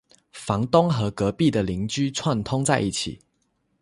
房东和隔壁的邻居串通在一起